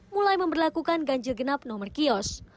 mulai memperlakukan ganjil genap nomor kios